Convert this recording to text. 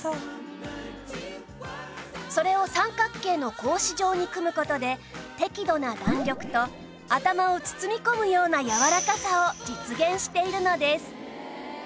それを三角形の格子状に組む事で適度な弾力と頭を包み込むようなやわらかさを実現しているのです